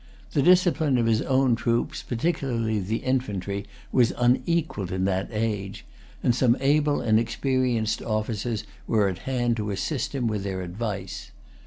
The discipline of his own troops, particularly of the infantry, was unequalled in that age; and some able and experienced officers were at hand to assist him with their advice.